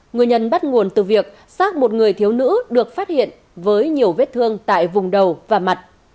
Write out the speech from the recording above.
nguyên nhân bắt nguồn từ việc xác một người thiếu nữ được phát hiện với nhiều vết thương tại vùng đầu và mặt